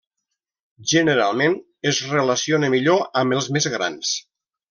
Generalment, es relaciona millor amb els més grans.